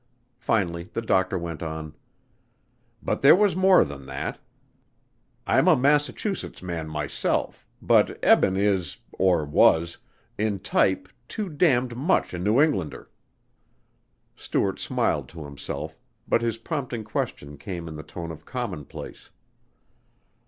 Finally the doctor went on: "But there was more than that. I'm a Massachusetts man myself, but Eben is or was in type, too damned much the New Englander." Stuart smiled to himself, but his prompting question came in the tone of commonplace.